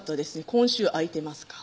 今週空いてますか？」